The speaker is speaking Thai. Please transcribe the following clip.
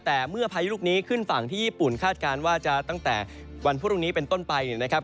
แต่เมื่อพายุลูกนี้ขึ้นฝั่งที่ญี่ปุ่นคาดการณ์ว่าจะตั้งแต่วันพรุ่งนี้เป็นต้นไปเนี่ยนะครับ